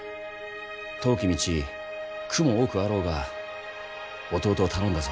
遠き道、苦も多くあろうが弟を頼んだぞ。